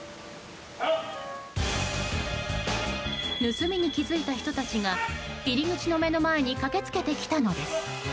盗みに気づいた人たちが入り口の目の前に駆けつけてきたのです。